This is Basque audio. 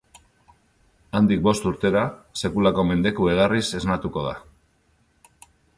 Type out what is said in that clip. Handik bost urtera sekulako mendeku egarriz esnatuko da.